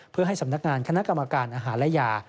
เพื่อให้สำนักงานคณะกรรมการอาหารและยา